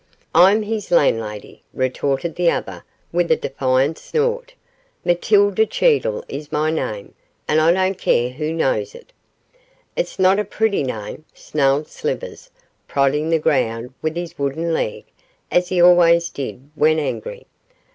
'I'm his landlady,' retorted the other, with a defiant snort. 'Matilda Cheedle is my name, and I don't care who knows it.' 'It's not a pretty name,' snarled Slivers, prodding the ground with his wooden leg, as he always did when angry.